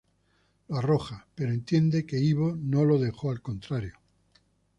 Lo arroja, pero entiende que Ivo no lo dejó al contrario.